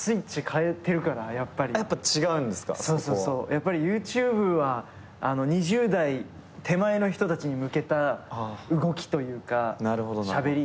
やっぱりＹｏｕＴｕｂｅは２０代手前の人たちに向けた動きというかしゃべりになるんですよね。